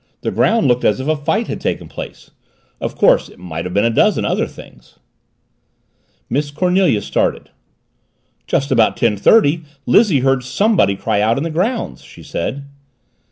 "The ground looked as if a fight had taken place. Of course it might have been a dozen other things." Miss Cornelia started. "Just about ten thirty Lizzie heard somebody cry out, in the grounds," she said.